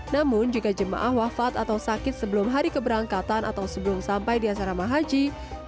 namun jika jemaah wafat atau sakit sebelum hari keberangkatan atau sebelum sampai di asrama haji